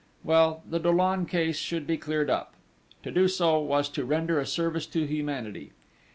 Well, the Dollon case should be cleared up!... To do so was to render a service to humanity!